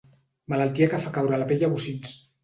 Malaltia que fa caure la pell a bocins.